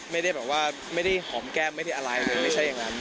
ไม่ได้หอมแก้มไม่ได้อะไรอันหนึ่งไม่ใช่อย่างนั้น